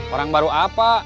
orang baru apa